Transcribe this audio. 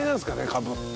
カブって。